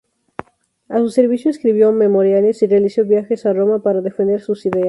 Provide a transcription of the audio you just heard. A su servicio escribió "Memoriales" y realizó viajes a Roma para defender sus ideas.